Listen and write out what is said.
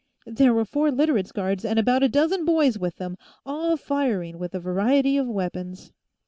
There were four Literates' guards and about a dozen boys with them, all firing with a variety of weapons.